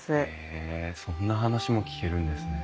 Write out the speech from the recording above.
へえそんな話も聞けるんですね。